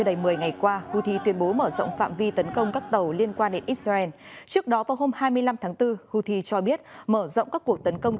thưa quý vị trên toàn cầu các trường hợp sốt xét đang gia tăng